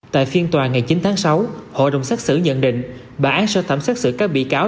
tại phiên tòa ngày chín tháng sáu hội đồng xác xử nhận định bà án sơ thẩm xác xử các bị cáo